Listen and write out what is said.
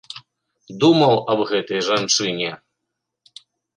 Думаў аб гэтай жанчыне.